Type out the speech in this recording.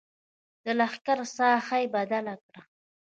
د لښکر ساحه یې بدله کړه.